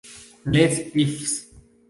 Les Ifs